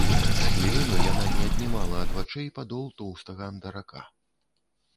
З хвіліну яна не аднімала ад вачэй падол тоўстага андарака.